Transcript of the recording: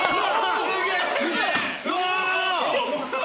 すげえ！